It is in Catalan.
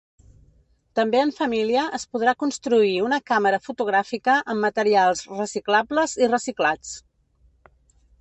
També en família es podrà construir una càmera fotogràfica amb materials reciclables i reciclats.